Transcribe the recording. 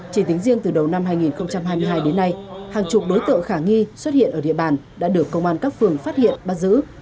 chỉ tính riêng từ đầu năm hai nghìn hai mươi hai đến nay hàng chục đối tượng khả nghi xuất hiện ở địa bàn đã được công an các phường phát hiện bắt giữ